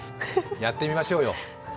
やってみましょうよ。